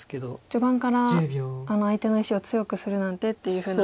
序盤から相手の石を強くするなんてっていうふうな。